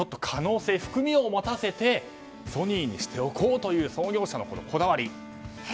可能性、含みを持たせてソニーにしようという創業者のこだわり。